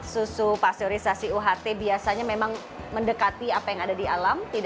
susu pasteurisasi uht biasanya memang mendekati apa yang ada di alam